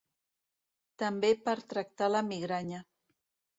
També per tractar la migranya.